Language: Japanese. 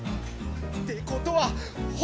ってことは細